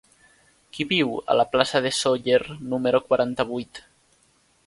Qui viu a la plaça de Sóller número quaranta-vuit?